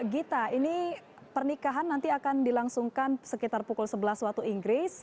gita ini pernikahan nanti akan dilangsungkan sekitar pukul sebelas waktu inggris